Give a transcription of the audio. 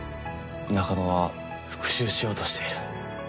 中野は復讐しようとしている。